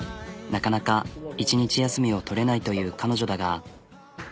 なかなか１日休みを取れないという彼女だが。